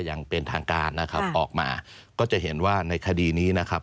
อย่างเป็นทางการนะครับออกมาก็จะเห็นว่าในคดีนี้นะครับ